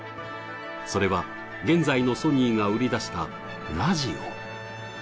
それは、現在のソニーが売り出したラジオ。